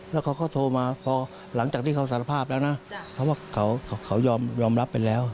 แล้วเขาก็โทรมาพอหลังจากที่เขาสารภาพแล้วนะเขาว่าเขายอมรับไปแล้ว